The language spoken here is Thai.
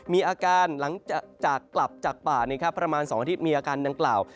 มีอาการหลังจากกลับจากป่าประมาณ๒อาทิตย์มีอาการดังกล่าว